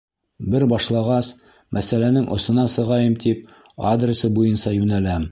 Бер башлағас, мәсьәләнең осона сығайым тип, адресы буйынса йүнәләм.